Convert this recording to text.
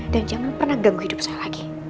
dan jangan pernah ganggu hidup saya lagi